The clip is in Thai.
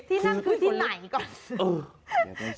ที่นั่นคือที่ไหนก่อน